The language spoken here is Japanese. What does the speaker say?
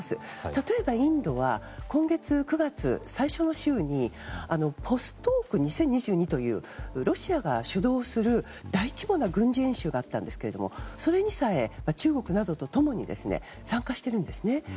例えばインドは今月９月最初の週にボストーク２０２２というロシアが主導する大規模な軍事演習があったんですがそれにさえ中国などと共に参加しているんですね。